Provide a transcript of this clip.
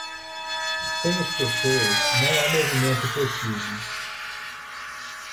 Sem as pessoas, não há movimento possível.